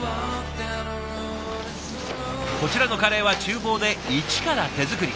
こちらのカレーは厨房で一から手作り。